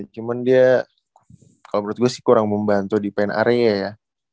cuman dia kalau menurut gue sih kurang membantu di pen area ya